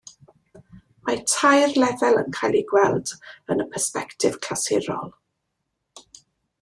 Mae tair lefel yn cael eu gweld yn y persbectif clasurol.